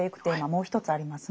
もう一つありますね。